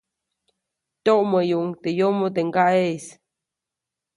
Tyoʼmäyuʼuŋ teʼ yomo teʼ ŋgaʼeʼis.